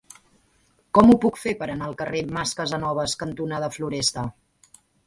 Com ho puc fer per anar al carrer Mas Casanovas cantonada Floresta?